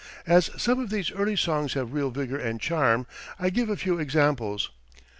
As some of these early songs have real vigour and charm, I give a few examples.